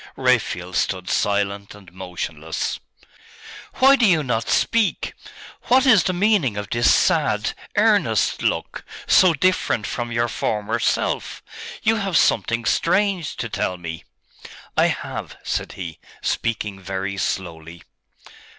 Raphael stood silent and motionless. 'Why do you not speak? What is the meaning of this sad, earnest look, so different from your former self?.... You have something strange to tell me!' 'I have,' said he, speaking very slowly.